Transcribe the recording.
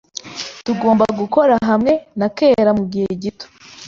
Tugomba gukora hamwe na kera mugihe gito